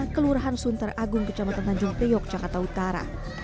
kelurahan sunter agung kecamatan tanjung priok jakarta utara